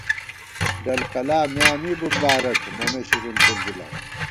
ڈل قلا میاں می بُمبارَک مونہ شرین پُݪ گِلاؤ